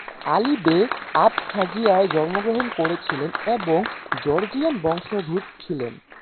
Ali Bey আবখাজিয়ায় জন্মগ্রহণ করেছিলেন এবং জর্জিয়ান বংশোদ্ভূত ছিলেন।